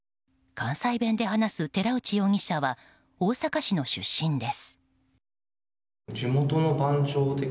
関西弁で話す寺内容疑者は大阪市の出身です。